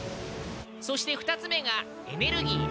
そして２つ目がエネルギー。